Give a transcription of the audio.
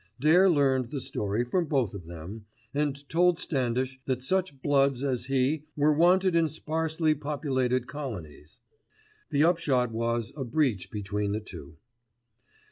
Dare learned the story from both of them, and told Standish that such bloods as he were wanted in sparsely populated colonies. The upshot was a breach between the two.